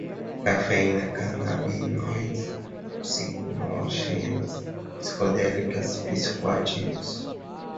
cafeína, canabinoides, alucinógenas, psicodélicas, psicoativos